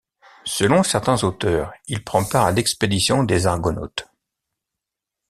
Selon certains auteurs, il prend part à l'expédition des Argonautes.